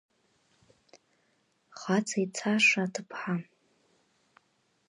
Хаҵа ицаша аҭыԥҳа.